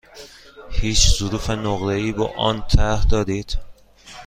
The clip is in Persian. هیچ ظروف نقره ای با آن طرح دارید؟